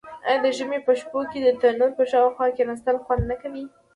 آیا د ژمي په شپو کې د تندور په شاوخوا کیناستل خوند نه کوي؟